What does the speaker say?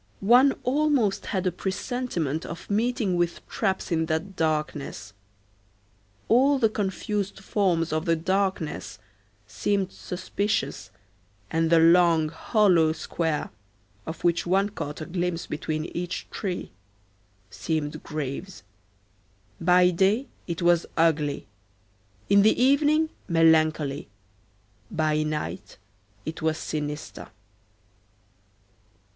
One almost had a presentiment of meeting with traps in that darkness; all the confused forms of the darkness seemed suspicious, and the long, hollow square, of which one caught a glimpse between each tree, seemed graves: by day it was ugly; in the evening melancholy; by night it was sinister.